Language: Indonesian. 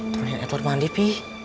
temenin edward mandi pih